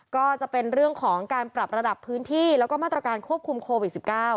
ก็จะเป็นเรื่องของการปรับระดับพื้นที่แล้วก็มาตรการควบคุมโควิด๑๙